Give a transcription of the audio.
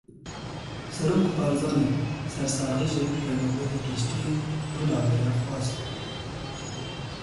Serok Barzanî sersaxî ji Rêveberê Giştî yê Rûdawê re xwest.